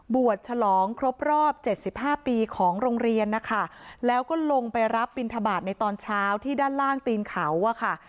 บวชฉลองครบรอบเจ็ดสิบห้าปีของโรงเรียนนะคะแล้วก็ลงไปรับปริณฑบาตในตอนเช้าที่ด้านล่างตีนเขาอ่ะค่ะ